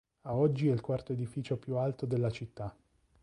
A oggi è il quarto edificio più alto della città.